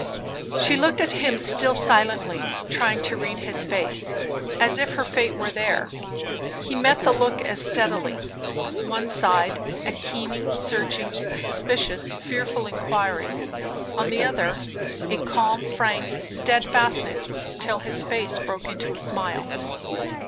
She looked at him still silently, trying to read his face, as if her fate were there. He met the look as steadily. On one side, a keen, searching, suspicious, fearful inquiry; on the other a calm, frank, steadfastness; till his face broke into a smile.